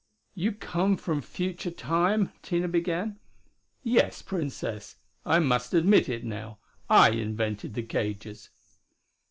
"You come from future Time?" Tina began. "Yes, Princess! I must admit it now. I invented the cages."